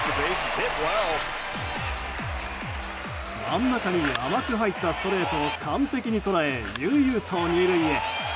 真ん中に甘く入ったストレートを完璧に捉え悠々と２塁へ。